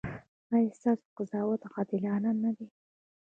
ایا ستاسو قضاوت عادلانه نه دی؟